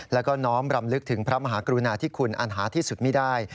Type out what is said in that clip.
แล้วก็น้อมรำลึกถึงพระมหากรุณาธิคุณอันหาที่สุดไม่ได้